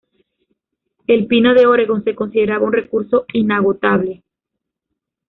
El pino de Oregon se consideraba un recurso inagotable.